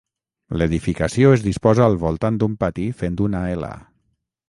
L'edificació es disposa al voltant d'un pati fent una ela.